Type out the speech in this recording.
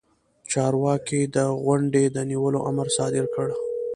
چارواکي د غونډې د نیولو امر صادر کړ.